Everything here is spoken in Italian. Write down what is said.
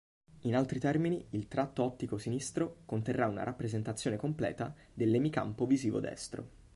In altri termini, il tratto ottico sinistro conterrà una rappresentazione completa dell'emicampo visivo destro.